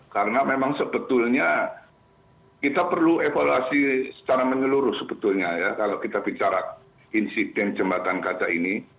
karena memang sebetulnya kita perlu evaluasi secara menyeluruh sebetulnya ya kalau kita bicara insiden jembatan kaca ini